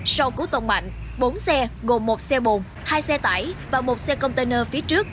sau cứu tông mạnh bốn xe gồm một xe bồn hai xe tải và một xe container phía trước